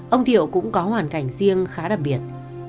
ông thiệu cũng có hoàn cảnh riêng khá đặc biệt